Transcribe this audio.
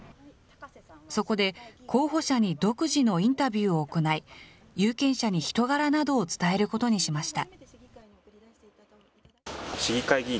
そこで候補者に独自のインタビューを行い、有権者に人柄などを伝えることにしました。